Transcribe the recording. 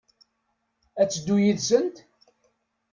Ad teddu yid-sent?